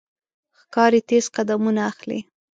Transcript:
ښکاري تیز قدمونه اخلي.